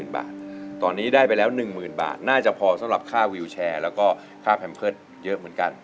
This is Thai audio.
ตอนนี้ได้ไปแล้ว๑๐๐๐บาทน่าจะพอสำหรับค่าวิวแชร์แล้วก็ค่าแพมเพิร์ตเยอะเหมือนกัน